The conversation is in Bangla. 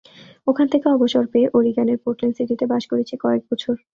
ওখান থেকে অবসর পেয়ে ওরিগ্যানের পোর্টল্যান্ড সিটিতে বাস করেছি কয়েক বছর।